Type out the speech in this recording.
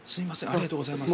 ありがとうございます。